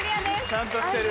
ちゃんとしてる。